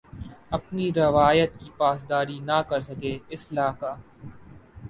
اپنی روایت کی پاسداری نہ کر سکے اصلاح کا